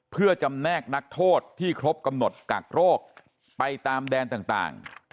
เพื่อจำแนกนักโทษที่ครบกำหนดกักโรคไปตามแดนต่าง